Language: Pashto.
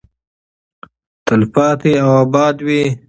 تلپاتې او اباده وي.